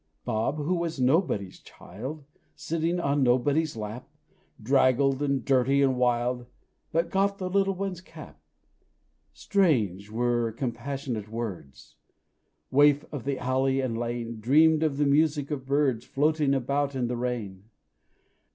Bob, who was nobody's child, Sitting on nobody's lap, Draggled and dirty and wild Bob got the little one's cap. Strange were compassionate words! Waif of the alley and lane Dreamed of the music of birds Floating about in the rain.